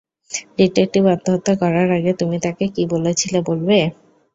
Detective আত্মহত্যা করার আগে তুমি তাকে কী বলেছিলে বলবে?